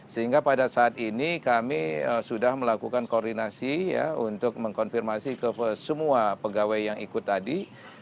sehingga pada saat ini kami sudah melakukan koordinasi ya untuk mengkonfirmasi ke semua pegawai yang ikut tadi